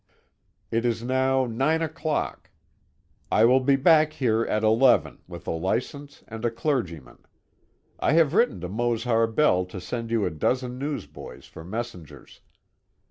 It is now nine o'clock. I will be back here at eleven, with a license and a clergyman. I have written to Mose Harbell to send you a dozen newsboys for messengers.